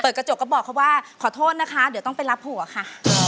กระจกก็บอกเขาว่าขอโทษนะคะเดี๋ยวต้องไปรับหัวค่ะ